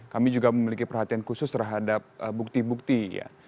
kami juga memiliki perhatian khusus terhadap bukti bukti ya